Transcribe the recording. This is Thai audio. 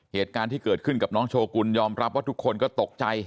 เหตุการณ์ที่เกิดขึ้นกับน้องโชกุลยอมรับว่าทุกคนก็ตกใจ